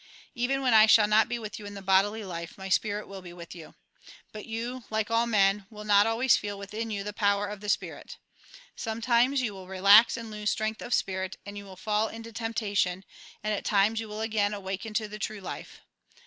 " Even when I shall not be with you in the bodily life, my spirit will be with you. But you, like all men, will not always feel within you the power of the spirit. Sometimes you will relax and lose strength of spirit ; and you will fall into tempta A RECAPITULATION 215 tion ; and at times you will again awaken to the true life.